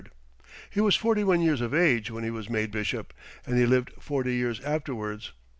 He was forty one years of age when he was made bishop, and he lived forty years afterwards.